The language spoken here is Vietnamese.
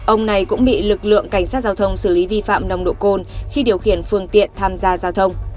ông này cũng bị lực lượng cảnh sát giao thông xử lý vi phạm nồng độ cồn khi điều khiển phương tiện tham gia giao thông